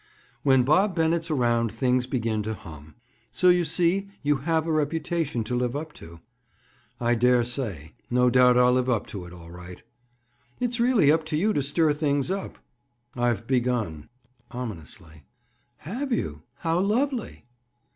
"'When Bob Bennett's around, things begin to hum.' So you see you have a reputation to live up to." "I dare say. No doubt I'll live up to it, all right." "It's really up to you to stir things up." "I've begun." Ominously. "Have you? How lovely!"